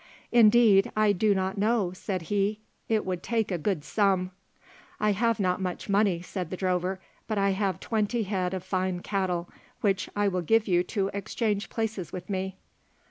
"Indeed, I do not know," said he, "it would take a good sum." "I have not much money," said the drover, "but I have twenty head of fine cattle, which I will give you to exchange places with me."